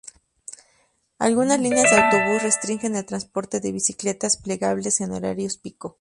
Algunas líneas de autobús restringen el transporte de bicicletas plegables en horarios pico.